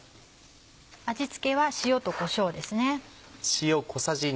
味付けは塩とこしょうですね。